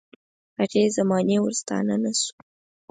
هغې زمانې ورستانه نه شو.